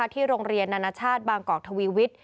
ที่โรงเรียนนานาชาติบางกอกทวีวิทย์